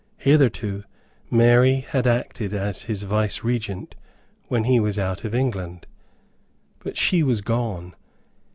Hitherto Mary had acted as his vicegerent when he was out of England; but she was gone.